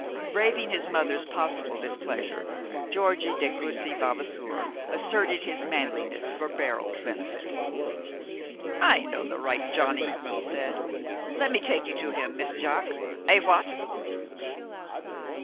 Braving his mother's possible displeasure, George de Courcy Vavasour asserted his manliness for Beryl's benefit. "I know the right Johnny," he said. "Let me take you to him, Miss Jaques Eh, what?"